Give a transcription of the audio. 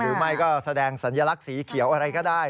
หรือไม่ก็แสดงสัญลักษณ์สีเขียวอะไรก็ได้